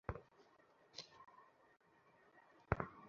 তিনি মহাভারত শ্রবণ করতেন।